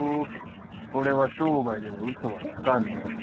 俺は商売ではうそはつかねえ。